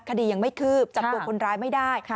คดียังไม่คืบจับตัวคนร้ายไม่ได้